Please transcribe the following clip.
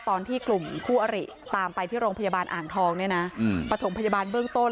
ตอนที่กลุ่มคู่อริตามไปที่โรงพยาบาลอ่างทองเนี่ยนะประถมพยาบาลเบื้องต้น